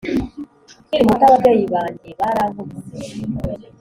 Nkiri muto ababyeyi banjye barankubise